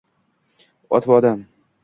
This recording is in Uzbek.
Ot va odam